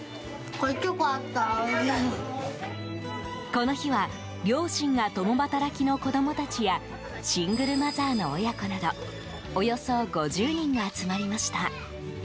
この日は両親が共働きの子供たちやシングルマザーの親子などおよそ５０人が集まりました。